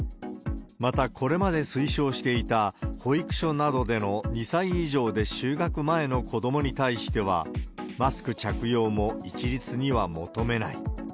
また、これまで推奨していた、保育所などでの２歳以上で就学前の子どもに対しては、マスク着用も一律には求めない。